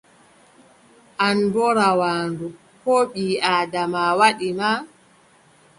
An boo rawaandu, ko ɓii-Aadama waɗi ma?